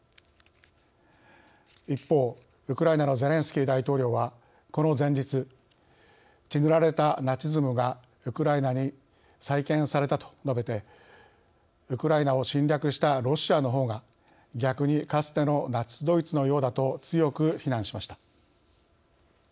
一方、ウクライナのゼレンスキー大統領は、この前日「血塗られたナチズムがウクライナに再建された」と述べて、ウクライナを侵略したロシアの方が逆にかつてのナチスドイツのようだと強く非難しました。